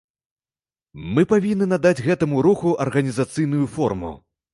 Мы павінны надаць гэтаму руху арганізацыйную форму.